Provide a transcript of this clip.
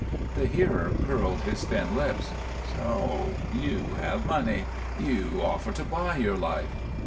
The hearer curled his thin lips. "So! You have money. You offer to buy your life.